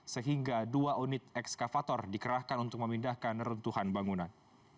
sehingga dua unit ekskavator dikerahkan untuk memindahkan reruntuhan bangunan